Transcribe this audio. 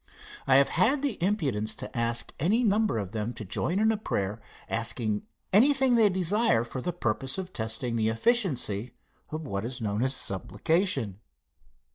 I have had the impudence to ask any number of them to join in a prayer asking anything they desire for the purpose of testing the efficiency of what is known as supplication.